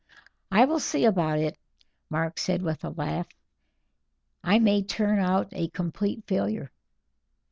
"I will see about it," Mark said with a laugh. "I may turn out a complete failure."